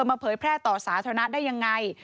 มาเผยแพร่ต่อสาธารณะได้ยังไง